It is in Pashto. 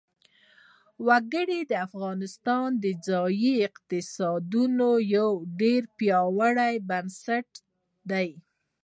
وګړي د افغانستان د ځایي اقتصادونو یو ډېر پیاوړی بنسټ دی.